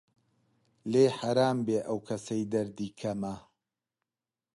لێی حەرام بێ ئەو کەسەی دەردی کەمە